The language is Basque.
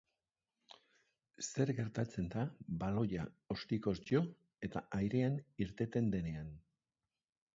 Zer gertatzen da baloia ostikoz jo eta airean irteten denean?